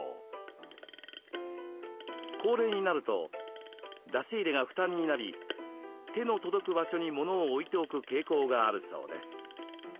高齢になると出し入れが負担になり手の届く場所に物を置いておく傾向があるそうです。